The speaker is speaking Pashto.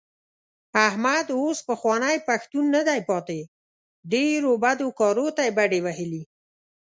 احمد اوس پخوانی پښتون نه دی پاتې. ډېرو بدو کارو ته یې بډې وهلې.